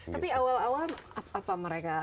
tapi awal awal apa mereka